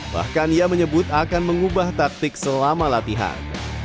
bahkan ia menyebut akan mengubah taktik selama latihan